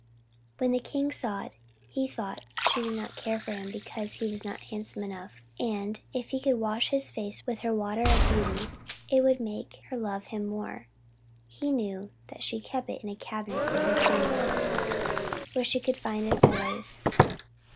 When the king saw it, he thought she did not care for him because he was not handsome enough; and that if he could wash his face with her water of beauty, it would make her love him more. He knew that she kept it in a cabinet in her chamber, where she could find it always.